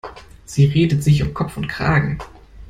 Sie redet sich um Kopf und Kragen.